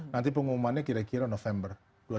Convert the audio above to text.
nanti pengumumannya kira kira november dua ribu delapan belas